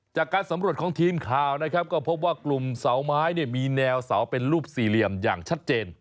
จากการสำรวจของทีมข่าวนะครับก็พบว่ากลุ่มเสาไม้เนี่ยมีแนวเสาเป็นรูปสี่เหลี่ยมอย่างชัดเจน